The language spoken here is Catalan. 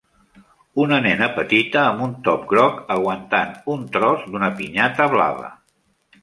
Una nena petita amb un top groc aguantant un tros d'una pinyata blava.